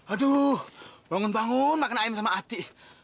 aduh bangun bangun makan ayam sama ati